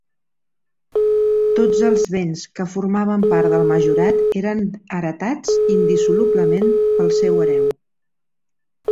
Tots els béns que formaven part del majorat eren heretats indissolublement pel seu hereu.